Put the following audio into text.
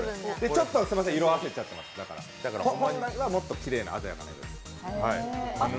ちょっと色あせちゃってますけど、本来はもっときれいな鮮やかな色です。